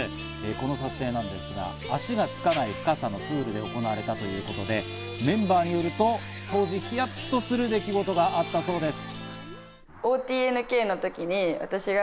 この撮影なんですが、足がつかない深さのプールで行われたということで、メンバーによると当時、ヒヤっとする出来事があったそうです。